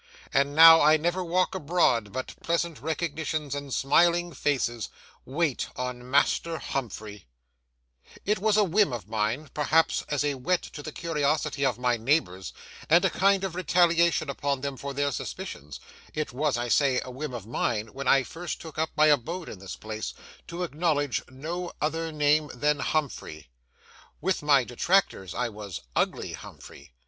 And now I never walk abroad but pleasant recognitions and smiling faces wait on Master Humphrey. [Picture: Friendly recognitions] It was a whim of mine, perhaps as a whet to the curiosity of my neighbours, and a kind of retaliation upon them for their suspicions—it was, I say, a whim of mine, when I first took up my abode in this place, to acknowledge no other name than Humphrey. With my detractors, I was Ugly Humphrey.